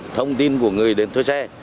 thông tin của người đến thuê xe